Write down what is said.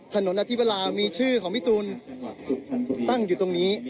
อธิวรามีชื่อของพี่ตูนตั้งอยู่ตรงนี้